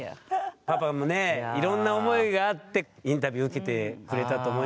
パパもねいろんな思いがあってインタビュー受けてくれたと思いますよ。